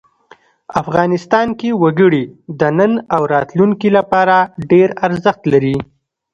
افغانستان کې وګړي د نن او راتلونکي لپاره ډېر ارزښت لري.